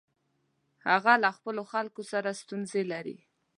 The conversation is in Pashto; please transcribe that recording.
هغه له خپلو خلکو سره ستونزې لري.